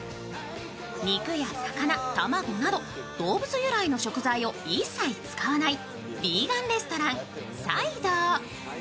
肉や魚、卵など動物由来の食材を一切使わないヴィーガンレストラン菜道。